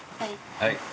はい。